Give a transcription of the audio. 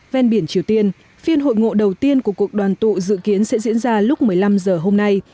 ven biển triều tiên phiên hội ngộ đầu tiên của cuộc đoàn tụ dự kiến sẽ diễn ra lúc một mươi năm h hôm nay